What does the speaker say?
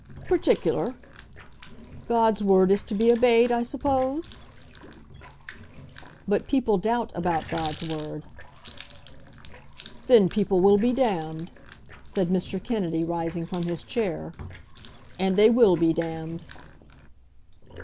"Particular! God's word is to be obeyed, I suppose?" "But people doubt about God's word." "Then people will be damned," said Mr. Kennedy, rising from his chair. "And they will be damned."